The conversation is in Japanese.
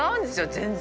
全然。